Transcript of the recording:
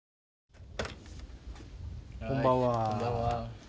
こんばんは。